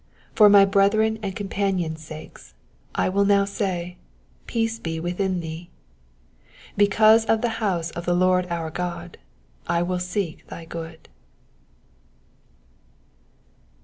8 For my brethren and companions' sakes, I will now say, Peace ie within thee. 9 Because of the house of the Lord our God I will seek thy good.